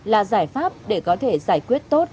là giải pháp để có thể giải quyết tốt